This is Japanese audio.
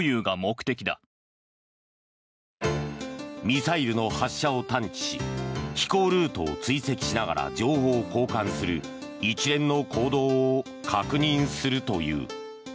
ミサイルの発射を探知し飛行ルートを追跡しながら情報を交換する一連の行動を確認するという。